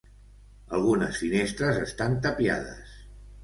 Algunes finestres estan tapiades.